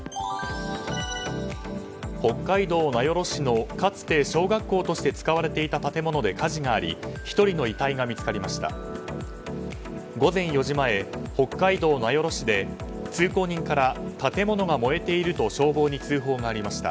北海道名寄市のかつて小学校として使われていた建物で火事があり１人の遺体が見つかりました。